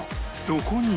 そこに